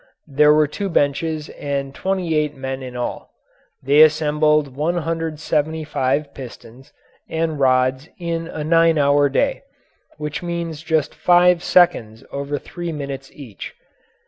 There were two benches and twenty eight men in all; they assembled one hundred seventy five pistons and rods in a nine hour day which means just five seconds over three minutes each.